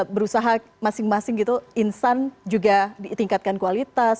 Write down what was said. berusaha masing masing gitu insan juga ditingkatkan kualitas